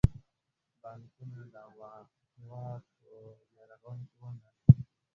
بانکونه د هیواد په بیارغونه کې ونډه اخلي.